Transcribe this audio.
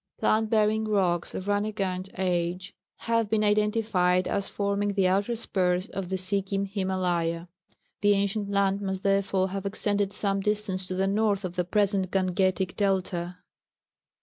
Plant bearing rocks of Rániganj age have been identified as forming the outer spurs of the Sikkim Himálaya; the ancient land must therefore have extended some distance to the north of the present Gangetic delta.